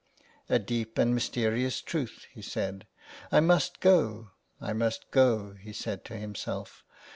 " A deep and mysterious truth," he said, '' I must go, I must go,'' he said to himself.